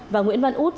và nguyễn văn út